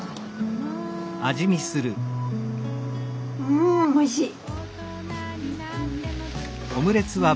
うんおいしい！